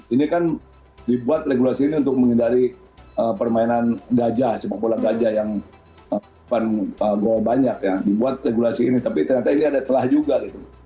ini kan dibuat regulasi ini untuk menghindari permainan gajah sepak bola gajah yang banyak ya dibuat regulasi ini tapi ternyata ini ada telah juga gitu